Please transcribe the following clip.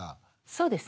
そうですね。